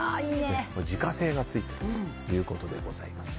自家製がついているということです。